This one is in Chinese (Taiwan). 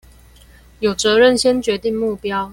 有責任先決定目標